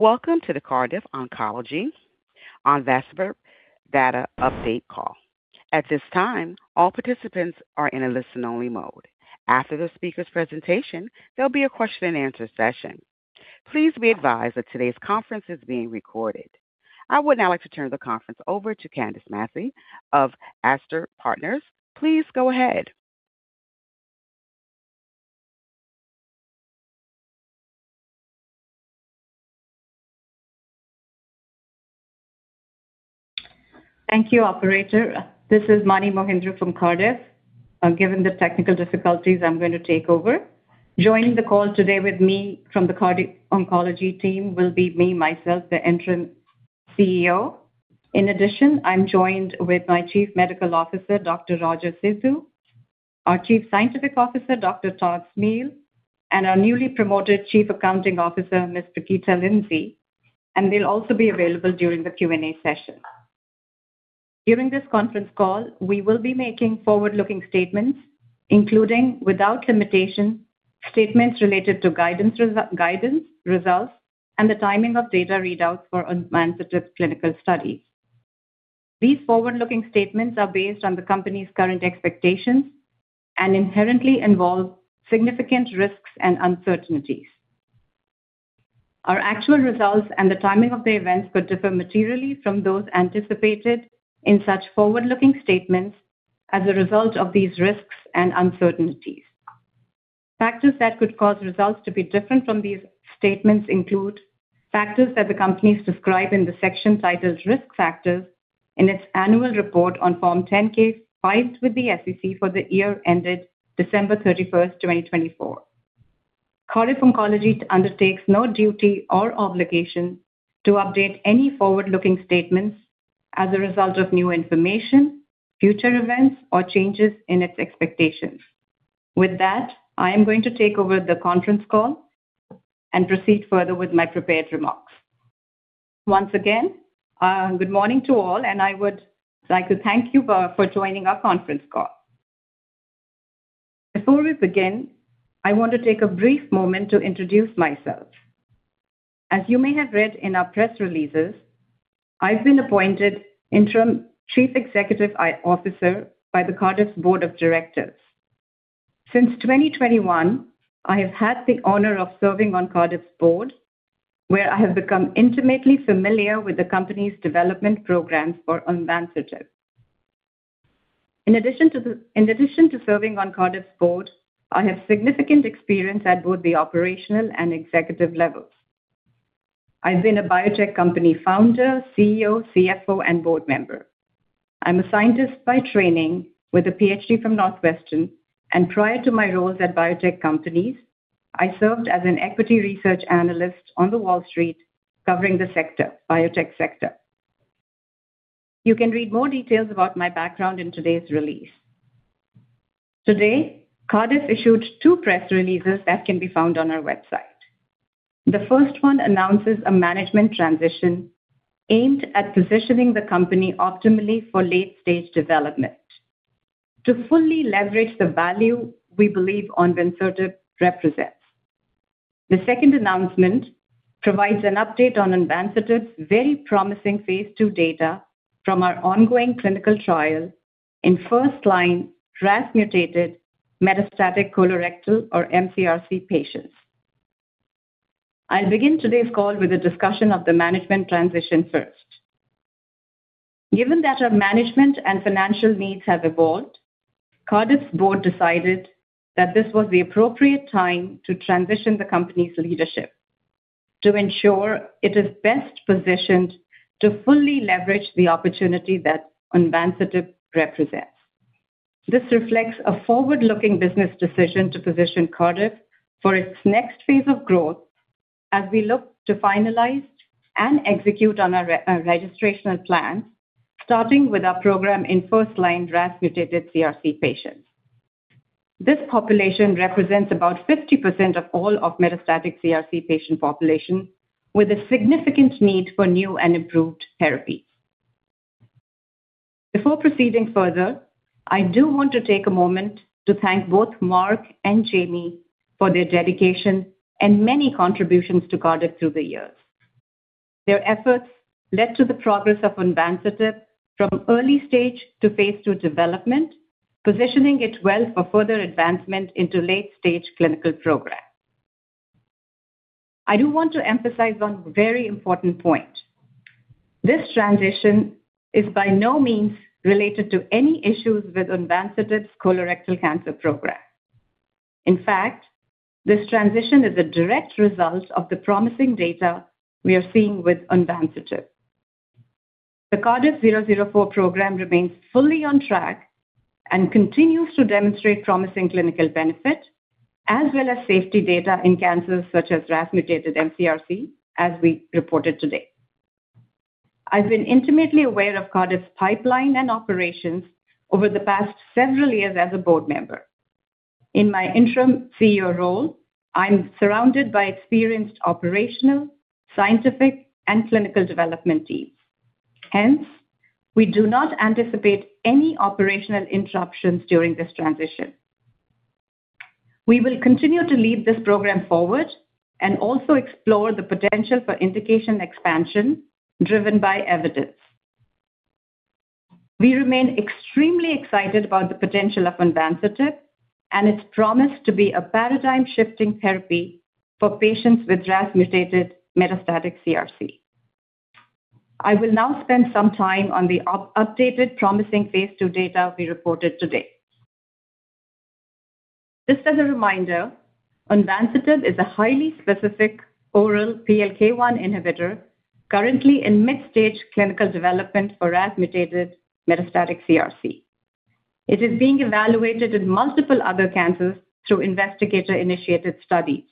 Welcome to the Cardiff Oncology onvansertib Data Update Call. At this time, all participants are in a listen-only mode. After the speaker's presentation, there'll be a question-and-answer session. Please be advised that today's conference is being recorded. I would now like to turn the conference over to Candace Massey of Ashbury Partners. Please go ahead. Thank you, operator. This is Mani Mohindru from Cardiff. Given the technical difficulties, I'm going to take over. Joining the call today with me from the Cardiff Oncology team will be me, myself, the Interim CEO. In addition, I'm joined with my Chief Medical Officer, Dr. Roger Sidhu, our Chief Scientific Officer, Dr. Todd Smeal, and our newly promoted Chief Accounting Officer, Ms. Nukhet Lindsay, and they'll also be available during the Q&A session. During this conference call, we will be making forward-looking statements, including, without limitation, statements related to guidance, results, and the timing of data readouts for advancing clinical studies. These forward-looking statements are based on the company's current expectations and inherently involve significant risks and uncertainties. Our actual results and the timing of the events could differ materially from those anticipated in such forward-looking statements as a result of these risks and uncertainties. Factors that could cause results to be different from these statements include factors that the companies describe in the section titled "Risk Factors" in its annual report on Form 10-K, filed with the SEC for the year ended December 31st, 2024. Cardiff Oncology undertakes no duty or obligation to update any forward-looking statements as a result of new information, future events, or changes in its expectations. With that, I am going to take over the conference call and proceed further with my prepared remarks. Once again, good morning to all, and I would like to thank you for, for joining our conference call. Before we begin, I want to take a brief moment to introduce myself. As you may have read in our press releases, I've been appointed Interim Chief Executive Officer by the Cardiff Board of Directors. Since 2021, I have had the honor of serving on Cardiff's board, where I have become intimately familiar with the company's development programs for onvansertib. In addition to serving on Cardiff's board, I have significant experience at both the operational and executive levels. I've been a biotech company founder, CEO, CFO, and board member. I'm a scientist by training with a PhD from Northwestern, and prior to my roles at biotech companies, I served as an equity research analyst on Wall Street, covering the sector, biotech sector. You can read more details about my background in today's release. Today, Cardiff issued two press releases that can be found on our website. The first one announces a management transition aimed at positioning the company optimally for late-stage development to fully leverage the value we believe onvansertib represents. The second announcement provides an update on onvansertib's very promising phase II data from our ongoing clinical trial in first-line RAS-mutated metastatic colorectal or mCRC patients. I'll begin today's call with a discussion of the management transition first. Given that our management and financial needs have evolved, Cardiff's board decided that this was the appropriate time to transition the company's leadership to ensure it is best positioned to fully leverage the opportunity that onvansertib represents. This reflects a forward-looking business decision to position Cardiff for its next phase of growth as we look to finalize and execute on our registrational plan, starting with our program in first-line RAS-mutated CRC patients. This population represents about 50% of all of metastatic CRC patient population, with a significant need for new and improved therapies. Before proceeding further, I do want to take a moment to thank both Mark and Jamie for their dedication and many contributions to Cardiff through the years. Their efforts led to the progress of onvansertib from early stage to phase two development, positioning it well for further advancement into late-stage clinical program. I do want to emphasize one very important point. This transition is by no means related to any issues with onvansertib's colorectal cancer program. In fact, this transition is a direct result of the promising data we are seeing with onvansertib. The CRDF-004 program remains fully on track and continues to demonstrate promising clinical benefit, as well as safety data in cancers such as RAS-mutated mCRC, as we reported today. I've been intimately aware of Cardiff's pipeline and operations over the past several years as a board member. In my interim CEO role, I'm surrounded by experienced operational, scientific, and clinical development teams. Hence, we do not anticipate any operational interruptions during this transition. We will continue to lead this program forward and also explore the potential for indication expansion, driven by evidence. We remain extremely excited about the potential of onvansertib and its promise to be a paradigm-shifting therapy for patients with RAS-mutated metastatic CRC. I will now spend some time on the updated promising phase II data we reported today. Just as a reminder, onvansertib is a highly specific oral PLK1 inhibitor, currently in mid-stage clinical development for RAS-mutated metastatic CRC. It is being evaluated in multiple other cancers through investigator-initiated studies.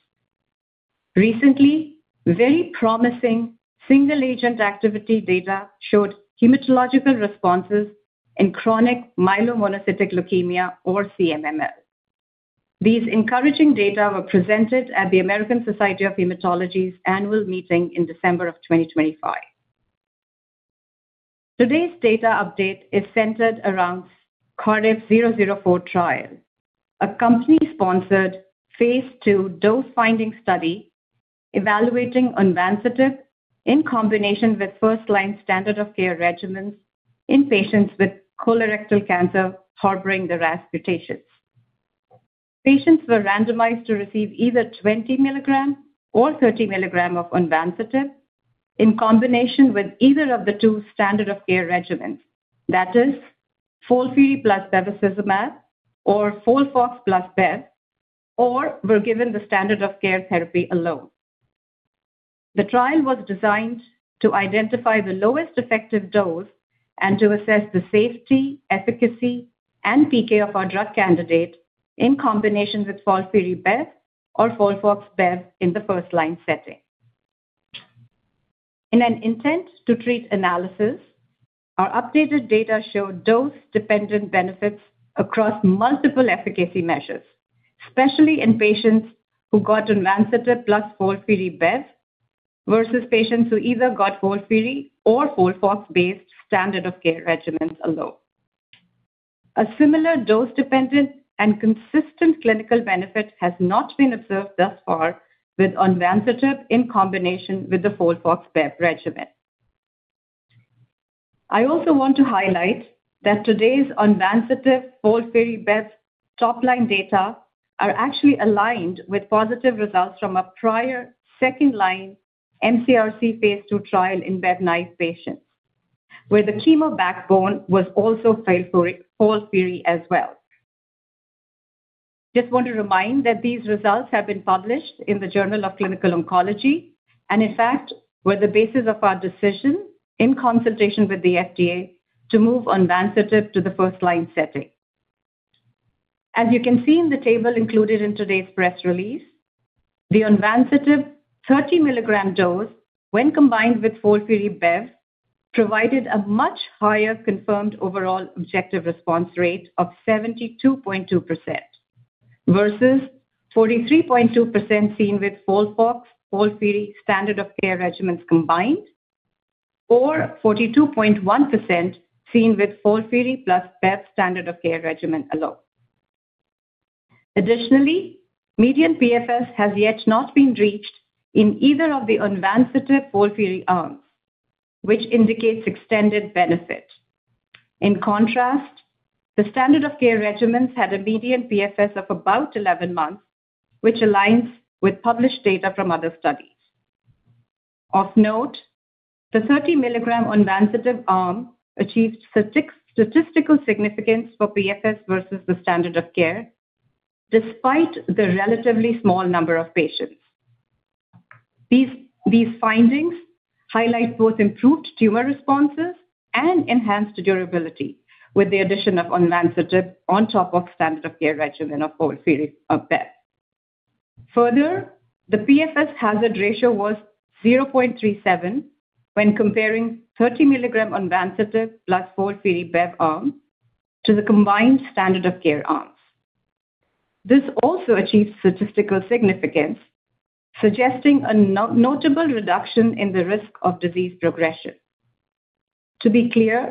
Recently, very promising single-agent activity data showed hematological responses in chronic myelomonocytic leukemia, or CMML. These encouraging data were presented at the American Society of Hematology's annual meeting in December of 2025. Today's data update is centered around CRDF-004 trial, a company-sponsored phase II dose-finding study, evaluating onvansertib in combination with first-line standard of care regimens in patients with colorectal cancer harboring the RAS mutations. Patients were randomized to receive either 20 mg or 30 mg of onvansertib in combination with either of the two standard of care regimens. That is, FOLFIRI plus bevacizumab, or FOLFOX plus Bev, or were given the standard of care therapy alone. The trial was designed to identify the lowest effective dose and to assess the safety, efficacy, and PK of our drug candidate in combination with FOLFIRI Bev or FOLFOX Bev in the first-line setting. In an intent-to-treat analysis, our updated data showed dose-dependent benefits across multiple efficacy measures, especially in patients who got onvansertib plus FOLFIRI Bev versus patients who either got FOLFIRI or FOLFOX-based standard of care regimens alone. A similar dose-dependent and consistent clinical benefit has not been observed thus far with onvansertib in combination with the FOLFOX Bev regimen. I also want to highlight that today's onvansertib FOLFIRI Bev top-line data are actually aligned with positive results from a prior second-line mCRC phase II trial in Bev-naïve patients, where the chemo backbone was also FOLFIRI, FOLFIRI as well. Just want to remind that these results have been published in the Journal of Clinical Oncology, and in fact, were the basis of our decision, in consultation with the FDA, to move onvansertib to the first-line setting. As you can see in the table included in today's press release, the onvansertib 40-mg dose, when combined with FOLFIRI Bev, provided a much higher confirmed overall objective response rate of 72.2%, versus 43.2% seen with FOLFOX, FOLFIRI standard of care regimens combined, or 42.1% seen with FOLFIRI plus Bev standard of care regimen alone. Additionally, median PFS has yet not been reached in either of the onvansertib FOLFIRI arms, which indicates extended benefit. In contrast, the standard of care regimens had a median PFS of about 11 months, which aligns with published data from other studies. Of note, the 30-mg onvansertib arm achieved statistical significance for PFS versus the standard of care, despite the relatively small number of patients. These, these findings highlight both improved tumor responses and enhanced durability with the addition of onvansertib on top of standard of care regimen of FOLFIRI, Bev. Further, the PFS hazard ratio was 0.37 when comparing 30 mg onvansertib plus FOLFIRI Bev arm to the combined standard of care arms. This also achieves statistical significance, suggesting a notable reduction in the risk of disease progression. To be clear,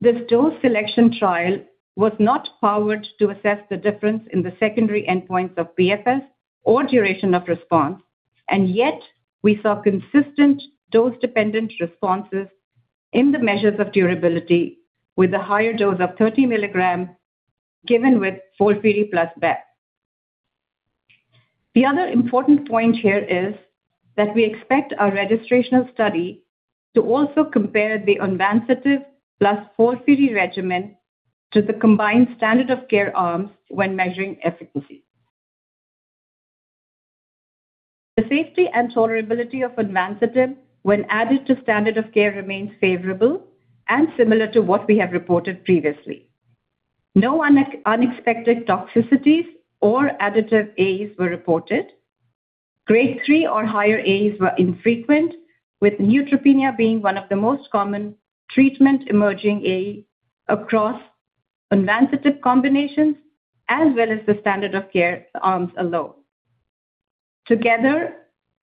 this dose selection trial was not powered to assess the difference in the secondary endpoints of PFS or duration of response, and yet we saw consistent dose-dependent responses in the measures of durability with a higher dose of 30 mgs given with FOLFIRI plus Bev. The other important point here is that we expect our registrational study to also compare the onvansertib plus FOLFIRI regimen to the combined standard of care arms when measuring efficacy. The safety and tolerability of onvansertib when added to standard of care remains favorable and similar to what we have reported previously. No unexpected toxicities or additive AEs were reported. Grade 3 or higher AEs were infrequent, with neutropenia being one of the most common treatment-emerging AE across onvansertib combinations, as well as the standard of care arms alone.... Together,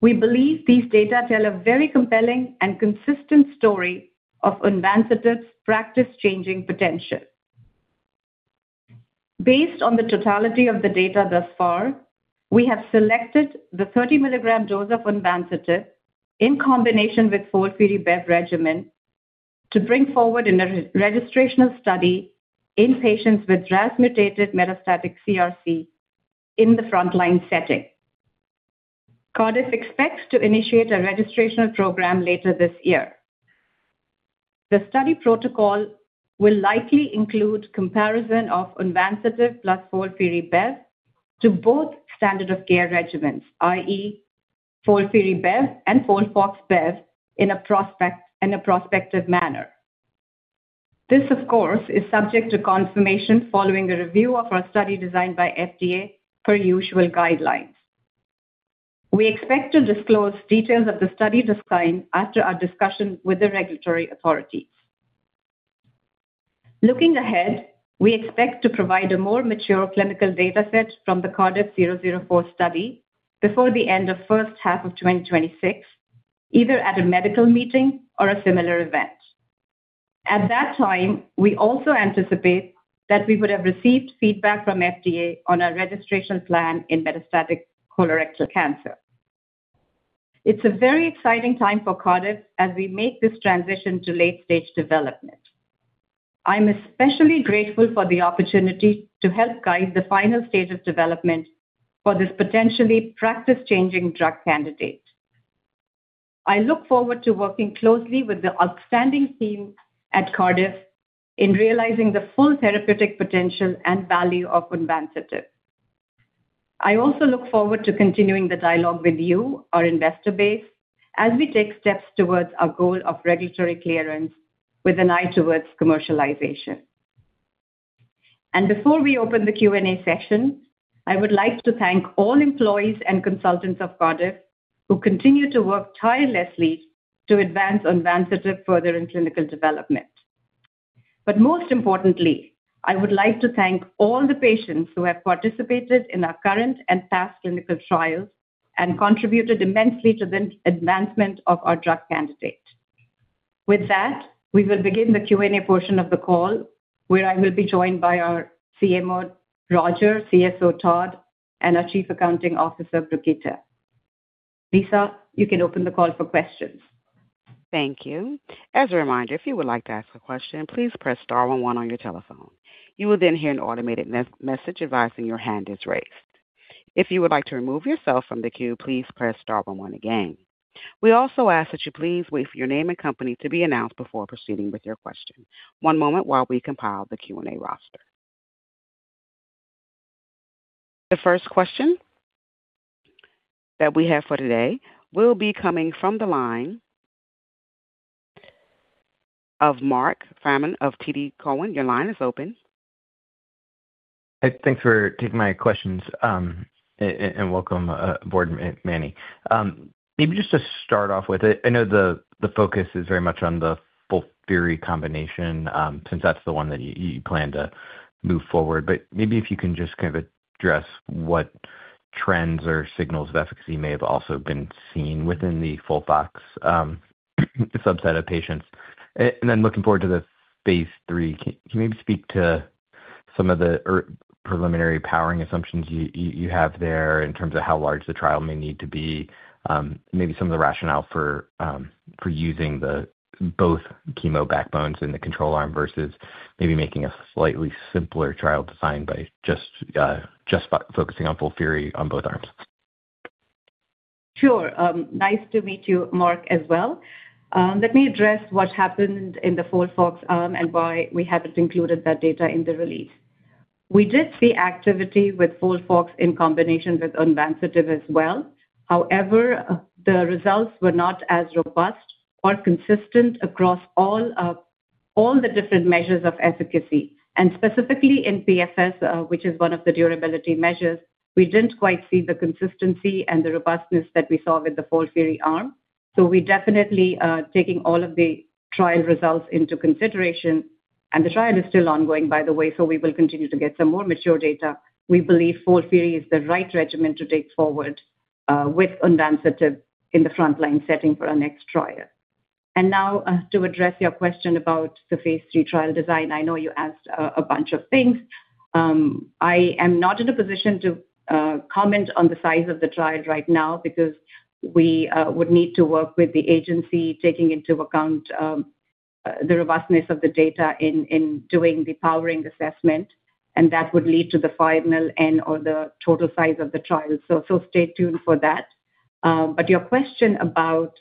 we believe these data tell a very compelling and consistent story of onvansertib practice-changing potential. Based on the totality of the data thus far, we have selected the 30 mg dose of onvansertib in combination with FOLFIRI-Bev regimen to bring forward in a registrational study in patients with RAS-mutated metastatic CRC in the frontline setting. Cardiff expects to initiate a registrational program later this year. The study protocol will likely include comparison of onvansertib plus FOLFIRI-Bev to both standard of care regimens, i.e., FOLFIRI-Bev and FOLFOX-Bev, in a prospective manner. This, of course, is subject to confirmation following a review of our study designed by FDA per usual guidelines. We expect to disclose details of the study design after our discussion with the regulatory authorities. Looking ahead, we expect to provide a more mature clinical data set from the CRDF-004 study before the end of first half of 2026, either at a medical meeting or a similar event. At that time, we also anticipate that we would have received feedback from FDA on our registration plan in metastatic colorectal cancer. It's a very exciting time for Cardiff as we make this transition to late-stage development. I'm especially grateful for the opportunity to help guide the final stage of development for this potentially practice-changing drug candidate. I look forward to working closely with the outstanding team at Cardiff in realizing the full therapeutic potential and value of onvansertib. I also look forward to continuing the dialogue with you, our investor base, as we take steps towards our goal of regulatory clearance with an eye towards commercialization. Before we open the Q&A session, I would like to thank all employees and consultants of Cardiff who continue to work tirelessly to advance onvansertib further in clinical development. Most importantly, I would like to thank all the patients who have participated in our current and past clinical trials and contributed immensely to the advancement of our drug candidate. With that, we will begin the Q&A portion of the call, where I will be joined by our CMO, Roger, CSO, Todd, and our Chief Accounting Officer, Nukhet. Lisa, you can open the call for questions. Thank you. As a reminder, if you would like to ask a question, please press star one one on your telephone. You will then hear an automated message advising your hand is raised. If you would like to remove yourself from the queue, please press star one one again. We also ask that you please wait for your name and company to be announced before proceeding with your question. One moment while we compile the Q&A roster. The first question that we have for today will be coming from the line of Marc Frahm of TD Cowen. Your line is open. Hey, thanks for taking my questions, and welcome aboard, Mani. Maybe just to start off with it, I know the focus is very much on the FOLFIRI combination, since that's the one that you plan to move forward. But maybe if you can just kind of address what trends or signals of efficacy may have also been seen within the FOLFOX subset of patients. And then looking forward to the phase III, can you maybe speak to some of the preliminary powering assumptions you have there in terms of how large the trial may need to be? Maybe some of the rationale for using both chemo backbones in the control arm versus maybe making a slightly simpler trial design by just focusing on FOLFIRI on both arms. Sure. Nice to meet you, Marc, as well. Let me address what happened in the FOLFOX arm and why we haven't included that data in the release. We did see activity with FOLFOX in combination with onvansertib as well. However, the results were not as robust or consistent across all of, all the different measures of efficacy, and specifically in PFS, which is one of the durability measures. We didn't quite see the consistency and the robustness that we saw with the FOLFIRI arm. So we definitely, taking all of the trial results into consideration, and the trial is still ongoing, by the way, so we will continue to get some more mature data. We believe FOLFIRI is the right regimen to take forward, with onvansertib in the frontline setting for our next trial. And now, to address your question about the phase III trial design, I know you asked a bunch of things. I am not in a position to comment on the size of the trial right now because we would need to work with the agency, taking into account the robustness of the data in doing the powering assessment, and that would lead to the 500 N or the total size of the trial. So stay tuned for that. But your question about,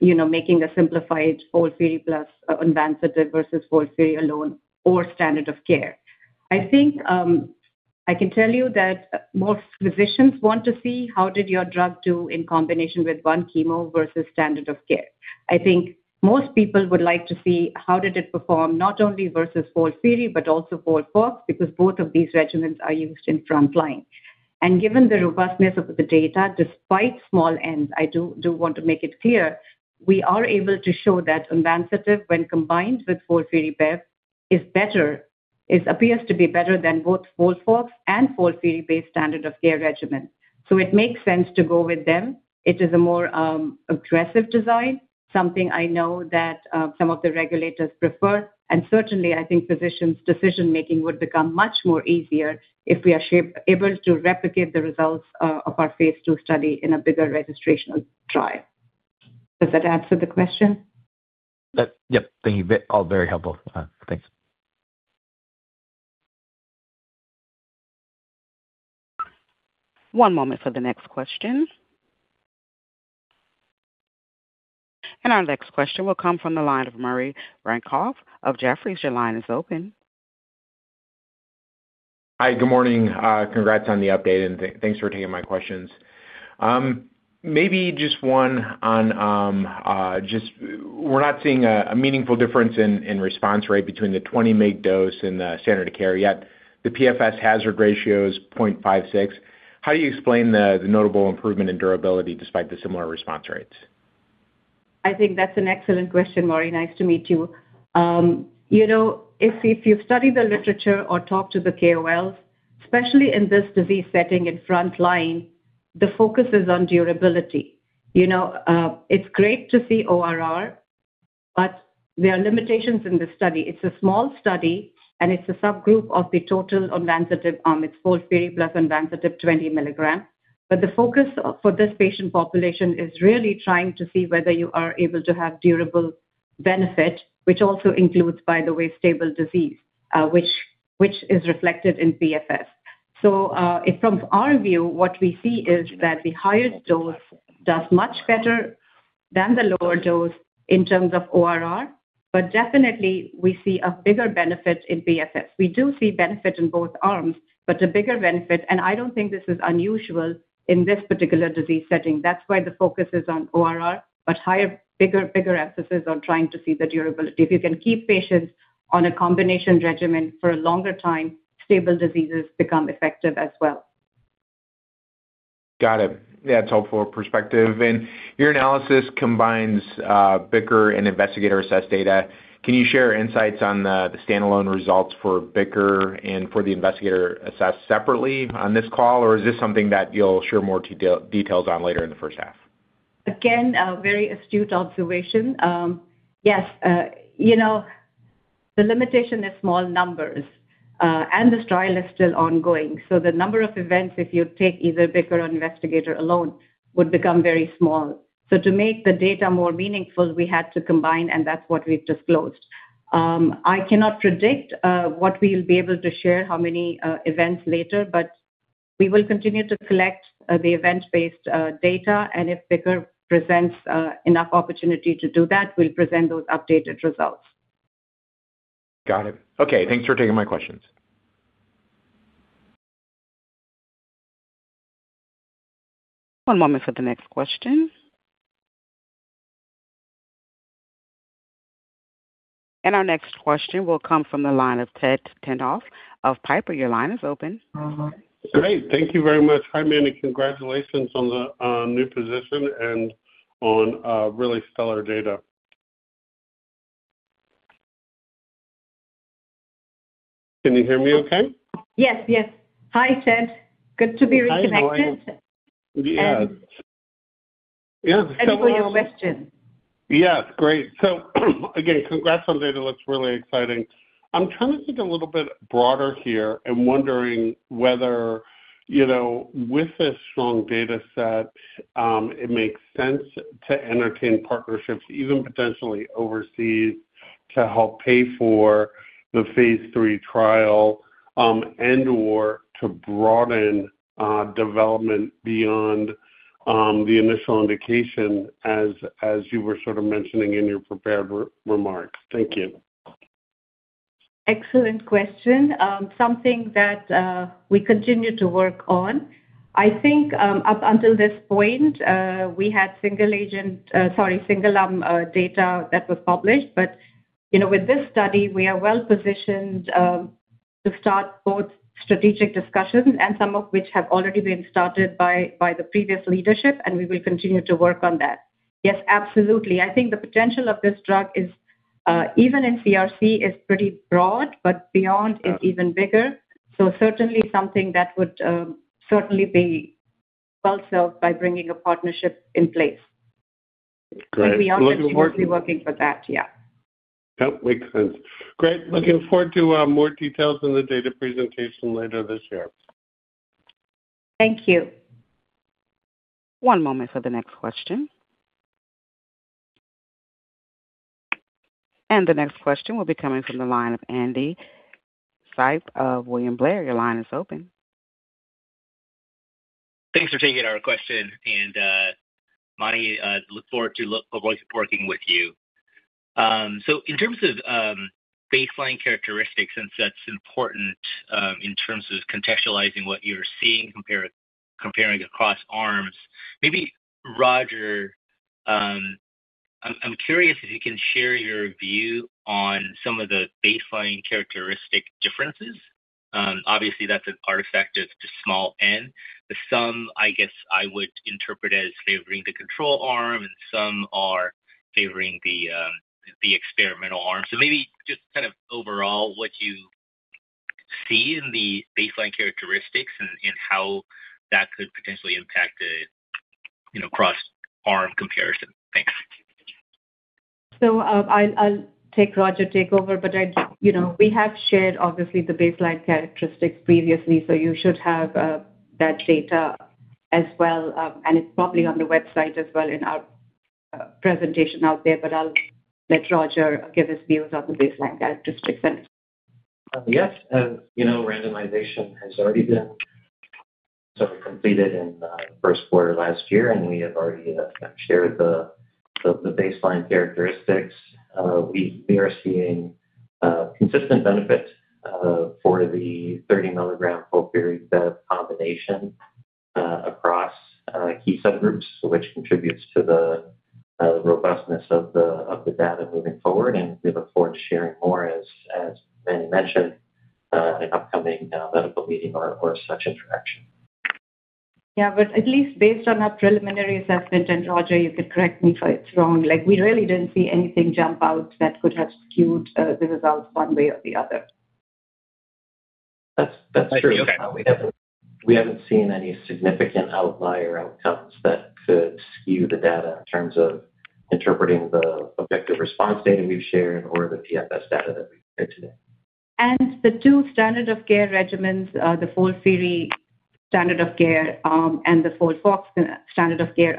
you know, making a simplified FOLFIRI plus onvansertib versus FOLFIRI alone or standard of care. I think I can tell you that most physicians want to see how did your drug do in combination with one chemo versus standard of care. I think most people would like to see how did it perform, not only versus FOLFIRI, but also FOLFOX, because both of these regimens are used in front line. And given the robustness of the data, despite small N, I do, do want to make it clear, we are able to show that onvansertib, when combined with FOLFIRI-Bev, is better. It appears to be better than both FOLFOX and FOLFIRI-based standard of care regimen. So it makes sense to go with them. It is a more aggressive design, something I know that some of the regulators prefer, and certainly I think physicians' decision-making would become much more easier if we are able to replicate the results of our phase II study in a bigger registrational trial. Does that answer the question? Yep. Thank you. All very helpful. Thanks. One moment for the next question. Our next question will come from the line of Maury Raycroft of Jefferies. Your line is open. Hi, good morning. Congrats on the update, and thanks for taking my questions. Maybe just one on, just we're not seeing a meaningful difference in response rate between the 20 mg dose and the standard of care, yet the PFS hazard ratio is 0.56. How do you explain the notable improvement in durability despite the similar response rates? I think that's an excellent question, Maury. Nice to meet you. You know, if you study the literature or talk to the KOLs, especially in this disease setting in frontline, the focus is on durability. You know, it's great to see ORR, but there are limitations in this study. It's a small study, and it's a subgroup of the total onvansertib arm. It's FOLFIRI plus onvansertib 20 mgs. But the focus for this patient population is really trying to see whether you are able to have durable benefit, which also includes, by the way, stable disease, which is reflected in PFS. So, from our view, what we see is that the higher dose does much better than the lower dose in terms of ORR, but definitely we see a bigger benefit in PFS. We do see benefit in both arms, but the bigger benefit, and I don't think this is unusual in this particular disease setting. That's why the focus is on ORR, but higher, bigger, bigger emphasis on trying to see the durability. If you can keep patients on a combination regimen for a longer time, stable diseases become effective as well. Got it. Yeah, it's helpful perspective. And your analysis combines BICR and investigator-assessed data. Can you share insights on the standalone results for BICR and for the investigator-assessed separately on this call, or is this something that you'll share more details on later in the first half? Again, a very astute observation. Yes, you know, the limitation is small numbers, and this trial is still ongoing. So the number of events, if you take either BICR or investigator alone, would become very small. So to make the data more meaningful, we had to combine, and that's what we've disclosed. I cannot predict what we'll be able to share, how many events later, but we will continue to collect the event-based data, and if BICR presents enough opportunity to do that, we'll present those updated results. Got it. Okay, thanks for taking my questions. One moment for the next question. Our next question will come from the line of Ted Tenthoff of Piper Sandler. Your line is open. Great. Thank you very much. Hi, Mani, congratulations on the new position and on really stellar data. Can you hear me okay? Yes, yes. Hi, Ted. Good to be reconnected. Hi, how are you? Yeah. Looking forward to your question. Yes, great. So, again, congrats on data, looks really exciting. I'm trying to think a little bit broader here and wondering whether, you know, with this strong data set, it makes sense to entertain partnerships, even potentially overseas, to help pay for the phase III trial, and/or to broaden development beyond the initial indication as you were sort of mentioning in your prepared remarks. Thank you. Excellent question. Something that we continue to work on. I think, up until this point, we had single agent, sorry, single arm data that was published. But, you know, with this study, we are well-positioned to start both strategic discussions and some of which have already been started by, by the previous leadership, and we will continue to work on that. Yes, absolutely. I think the potential of this drug is even in CRC, is pretty broad, but beyond, it's even bigger. Yeah. So certainly something that would certainly be well-served by bringing a partnership in place. Great. We are actively working for that, yeah. Yep, makes sense. Great. Looking forward to more details on the data presentation later this year. Thank you. One moment for the next question. The next question will be coming from the line of Andy Hsieh of William Blair. Your line is open. Thanks for taking our question, and, Mani, I look forward to working with you. So in terms of baseline characteristics, since that's important, in terms of contextualizing what you're seeing comparing across arms, maybe, Roger, I'm curious if you can share your view on some of the baseline characteristic differences? Obviously, that's an artifact of just small N. But some, I guess, I would interpret as favoring the control arm, and some are favoring the experimental arm. So maybe just kind of overall, what you see in the baseline characteristics and how that could potentially impact the, you know, cross-arm comparison? Thanks. So, I'll let Roger take over, but you know, we have shared, obviously, the baseline characteristics previously, so you should have that data as well. It's probably on the website as well in our presentation out there, but I'll let Roger give his views on the baseline characteristics then. Yes, as you know, randomization has already been sort of completed in the first quarter of last year, and we have already kind of shared the baseline characteristics. We are seeing consistent benefit for the 30 mg onvansertib combination across key subgroups, which contributes to the robustness of the data moving forward. And we look forward to sharing more as Mani mentioned in upcoming medical meeting or such interaction. Yeah, but at least based on our preliminary assessment, and Roger, you can correct me if it's wrong, like, we really didn't see anything jump out that could have skewed the results one way or the other. That's, that's true. Okay. We haven't seen any significant outlier outcomes that could skew the data in terms of interpreting the objective response data we've shared or the PFS data that we've shared today. The two standard of care regimens, the FOLFIRI standard of care, and the FOLFOX standard of care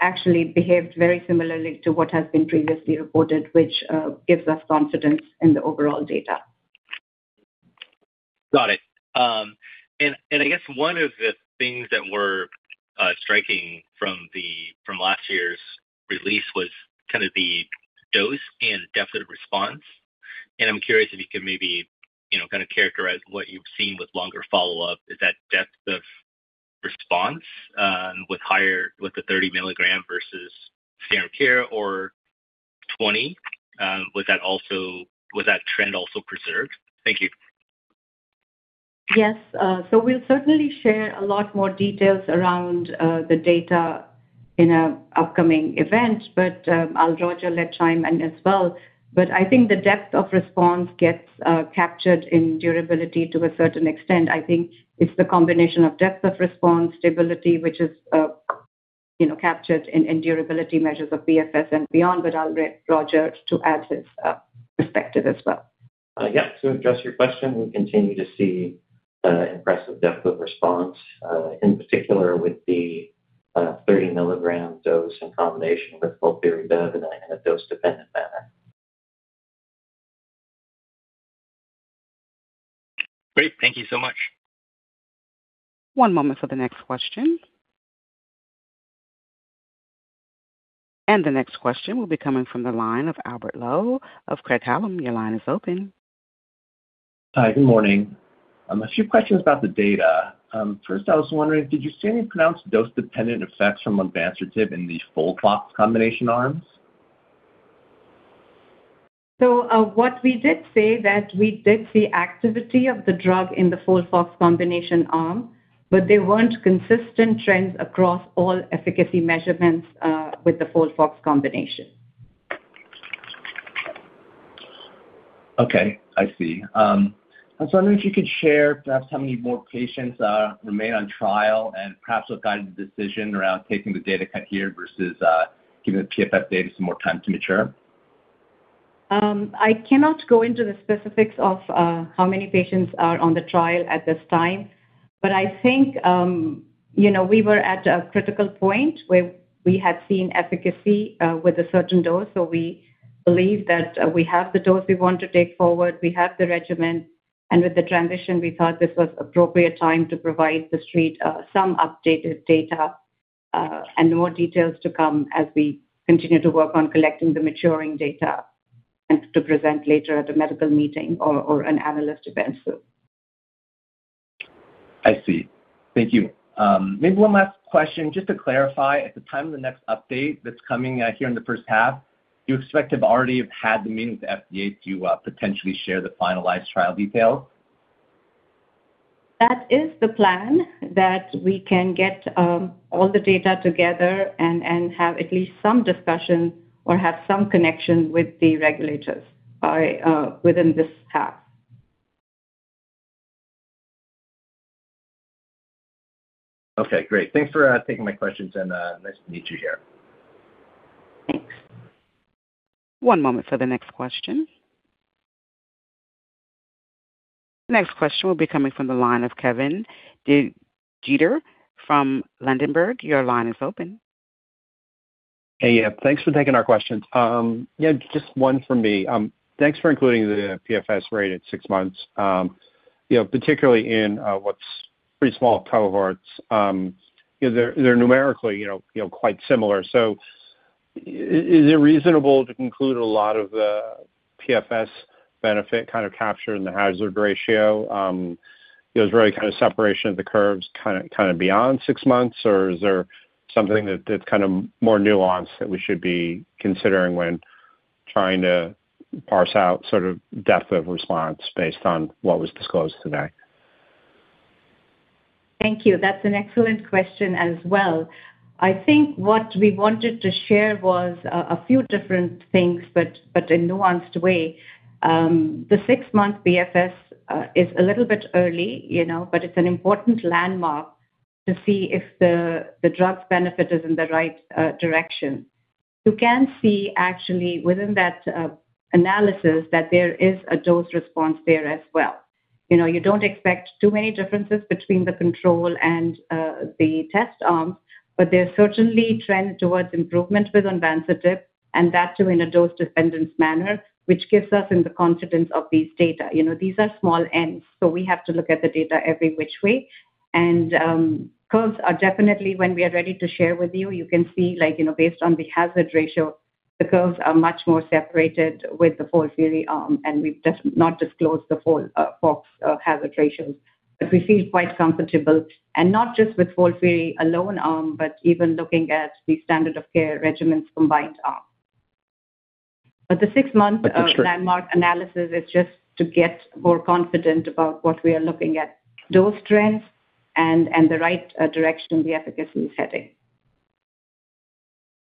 actually behaved very similarly to what has been previously reported, which gives us confidence in the overall data. Got it. And I guess one of the things that were striking from the from last year's release was kind of the dose and depth of response. And I'm curious if you could maybe, you know, kind of characterize what you've seen with longer follow-up. Is that depth of response with higher, with the 30 mg versus standard care or 20? Was that trend also preserved? Thank you. Yes. So we'll certainly share a lot more details around the data in an upcoming event, but I'll let Roger chime in as well. But I think the depth of response gets captured in durability to a certain extent. I think it's the combination of depth of response, stability, which is, you know, captured in durability measures of PFS and beyond. But I'll let Roger add his perspective as well. Yeah. To address your question, we continue to see impressive depth of response in particular with the 30-mg dose in combination with bevacizumab in a dose-dependent manner. Great. Thank you so much. One moment for the next question. The next question will be coming from the line of Albert Lowe of Craig-Hallum. Your line is open. Hi, good morning. A few questions about the data. First, I was wondering, did you see any pronounced dose-dependent effects from onvansertib in the FOLFOX combination arms? So, what we did say that we did see activity of the drug in the FOLFOX combination arm, but they weren't consistent trends across all efficacy measurements, with the FOLFOX combination. Okay, I see. I was wondering if you could share perhaps how many more patients remain on trial and perhaps what guided the decision around taking the data cut here versus giving the PFS data some more time to mature? I cannot go into the specifics of how many patients are on the trial at this time. But I think, you know, we were at a critical point where we had seen efficacy with a certain dose, so we believe that we have the dose we want to take forward, we have the regimen, and with the transition, we thought this was appropriate time to provide the street some updated data, and more details to come as we continue to work on collecting the maturing data, and to present later at a medical meeting or an analyst event soon. I see. Thank you. Maybe one last question, just to clarify, at the time of the next update that's coming here in the first half, do you expect to have already had the meeting with the FDA to potentially share the finalized trial details? That is the plan, that we can get all the data together and have at least some discussion or have some connection with the regulators by within this half. Okay, great. Thanks for taking my questions, and nice to meet you here. Thanks. One moment for the next question. The next question will be coming from the line of Kevin DeGeeter from Oppenheimer & Co. Your line is open. Hey, yeah, thanks for taking our questions. Yeah, just one from me. Thanks for including the PFS rate at six months. You know, particularly in what's pretty small cohorts, they're numerically, you know, quite similar. So is it reasonable to conclude a lot of the PFS benefit kind of captured in the hazard ratio? You know, is really kind of separation of the curves kind of beyond six months, or is there something that's kind of more nuanced that we should be considering when trying to parse out sort of depth of response based on what was disclosed today. Thank you. That's an excellent question as well. I think what we wanted to share was a few different things, but in a nuanced way. The 6-month PFS is a little bit early, you know, but it's an important landmark to see if the drug's benefit is in the right direction. You can see actually within that analysis that there is a dose response there as well. You know, you don't expect too many differences between the control and the test arms, but there's certainly a trend towards improvement with onvansertib, and that too, in a dose-dependent manner, which gives us confidence in these data. You know, these are small n's, so we have to look at the data every which way. Curves are definitely when we are ready to share with you, you can see, like, you know, based on the hazard ratio, the curves are much more separated with the FOLFIRI arm, and we've just not disclosed the full FOLFOX hazard ratio. But we feel quite comfortable, and not just with FOLFIRI alone arm, but even looking at the standard of care regimens combined arm. But the six-month. Sure. Landmark analysis is just to get more confident about what we are looking at, dose trends and the right direction the efficacy is heading.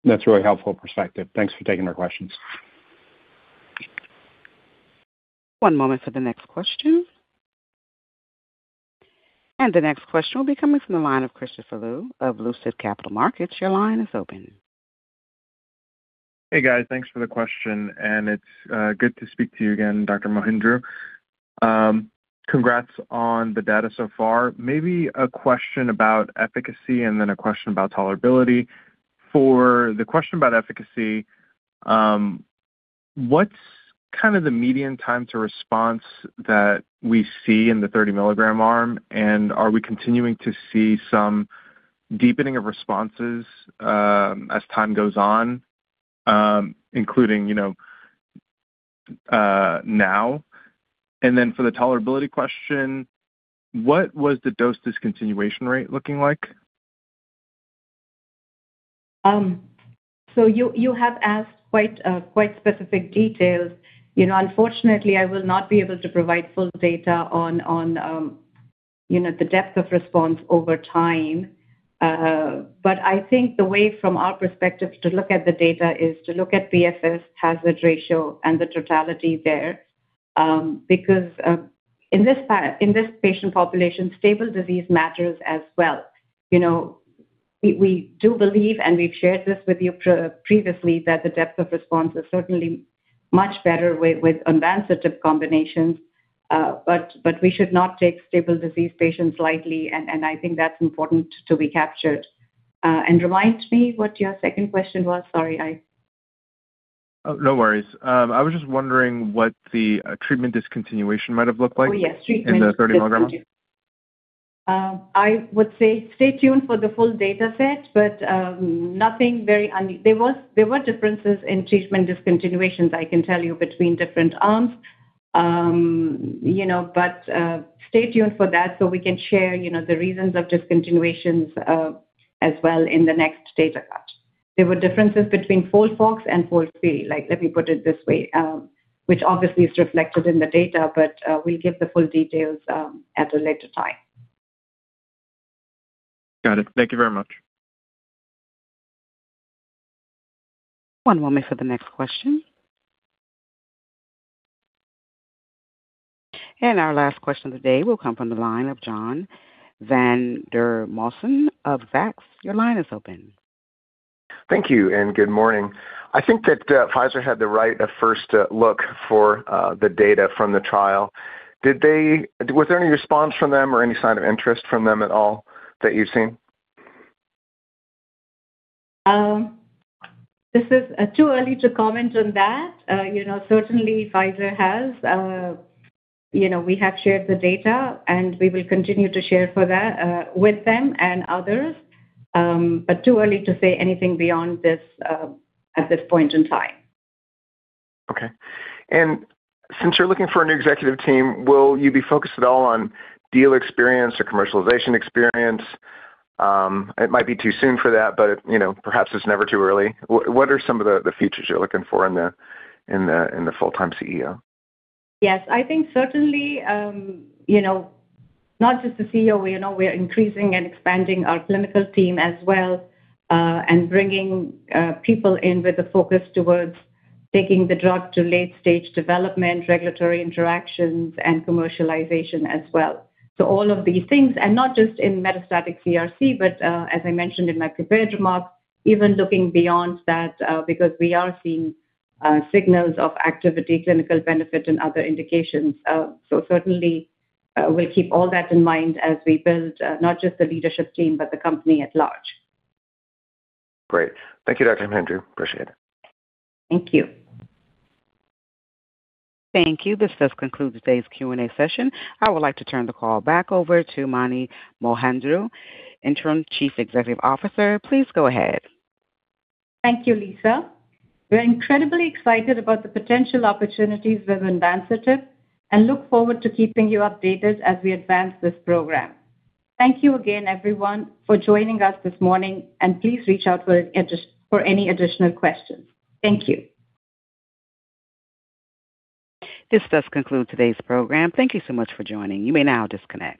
That's really helpful perspective. Thanks for taking our questions. One moment for the next question. The next question will be coming from the line of Christopher Liu of Lucid Capital Markets. Your line is open. Hey, guys. Thanks for the question, and it's good to speak to you again, Dr. Mohindru. Congrats on the data so far. Maybe a question about efficacy and then a question about tolerability. For the question about efficacy, what's kind of the median time to response that we see in the 30-mg arm? And are we continuing to see some deepening of responses as time goes on, including, you know, now? And then for the tolerability question, what was the dose discontinuation rate looking like? So you, you have asked quite, quite specific details. You know, unfortunately, I will not be able to provide full data on, on, you know, the depth of response over time. But I think the way from our perspective to look at the data is to look at PFS hazard ratio and the totality there. Because, in this patient population, stable disease matters as well. You know, we, we do believe, and we've shared this with you previously, that the depth of response is certainly much better with, with onvansertib combinations. But, but we should not take stable disease patients lightly, and, and I think that's important to be captured. And remind me what your second question was. Sorry, I. Oh, no worries. I was just wondering what the treatment discontinuation might have looked like? Oh, yes. Treatment. In the 30 mg. I would say stay tuned for the full dataset, but there was, there were differences in treatment discontinuations, I can tell you, between different arms. You know, but stay tuned for that, so we can share, you know, the reasons of discontinuations, as well in the next data cut. There were differences between FOLFOX and FOLFIRI. Like, let me put it this way, which obviously is reflected in the data, but we'll give the full details, at a later time. Got it. Thank you very much. One moment for the next question. Our last question of the day will come from the line of John Vandermosten of Zacks Small Cap Research. Your line is open. Thank you, and good morning. I think that, Pfizer had the right, first, look for, the data from the trial. Did they... Was there any response from them or any sign of interest from them at all that you've seen? This is too early to comment on that. You know, certainly Pfizer has. You know, we have shared the data, and we will continue to share for that with them and others. But too early to say anything beyond this at this point in time. Okay. And since you're looking for a new executive team, will you be focused at all on deal experience or commercialization experience? It might be too soon for that, but, you know, perhaps it's never too early. What are some of the features you're looking for in the full-time CEO? Yes. I think certainly, you know, not just the CEO, you know, we are increasing and expanding our clinical team as well, and bringing people in with a focus towards taking the drug to late-stage development, regulatory interactions, and commercialization as well. So all of these things, and not just in metastatic CRC, but, as I mentioned in my prepared remarks, even looking beyond that, because we are seeing signals of activity, clinical benefit, and other indications. So certainly, we'll keep all that in mind as we build, not just the leadership team, but the company at large. Great. Thank you, Dr. Mohindru. Appreciate it. Thank you. Thank you. This does conclude today's Q&A session. I would like to turn the call back over to Mani Mohindru, Interim Chief Executive Officer. Please go ahead. Thank you, Lisa. We're incredibly excited about the potential opportunities with onvansertib and look forward to keeping you updated as we advance this program. Thank you again, everyone, for joining us this morning, and please reach out for any additional questions. Thank you. This does conclude today's program. Thank you so much for joining. You may now disconnect.